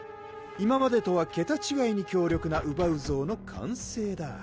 今までとは桁ちがいに強力なウバウゾーの完成だ